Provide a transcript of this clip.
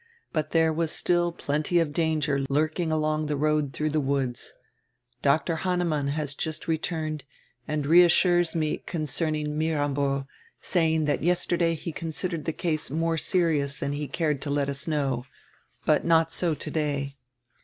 But there was still plenty of danger lurking along tire road through tire woods. Dr. Hannemann has just returned and reassures nre concerning Miramho, say ing tirat yesterday he considered tire case nrore serious than he cared to let us know, hut not so today.